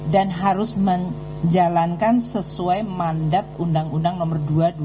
dan harus menjalankan sesuai mandat undang undang nomor dua dua ribu sembilan